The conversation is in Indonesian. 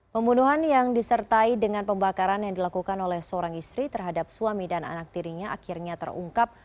pembunuhan yang disertai dengan pembakaran yang dilakukan oleh seorang istri terhadap suami dan anak tirinya akhirnya terungkap